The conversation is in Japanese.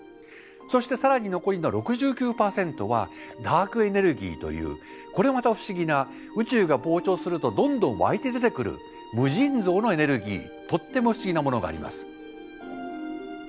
そして更に残りの６９％はダークエネルギーというこれまた不思議な宇宙が膨張するとどんどんわいて出てくる無尽蔵のエネルギーとっても不思議なものがあります。